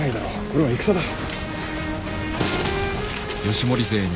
これは戦だ。